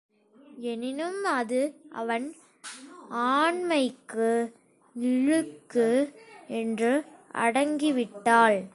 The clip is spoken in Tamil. எனினும் அது அவன் ஆண்மைக்கு இழுக்கு என்று அடங்கிவிட்டாள்.